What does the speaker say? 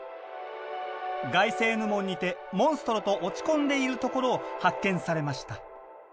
ガイセーヌ門にてモンストロと落ち込んでいるところを発見されました。